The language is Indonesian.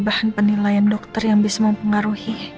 bahan penilaian dokter yang bisa mempengaruhi